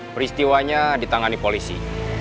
peristiwanya ditangani polisi